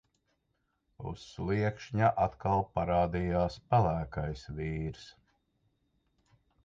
Uz sliekšņa atkal parādījās pelēkais vīrs.